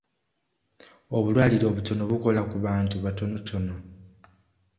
Obulwaliro obutono bukola ku bantu batonotono.